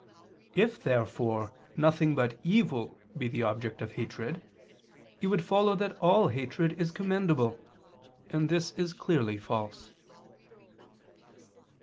If, therefore, nothing but evil be the object of hatred, it would follow that all hatred is commendable: and this is clearly false.